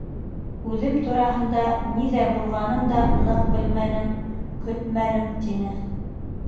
Үҙем тураһында ниҙәр булғанын да ныҡ белмәнем, көтмәнем, — тине.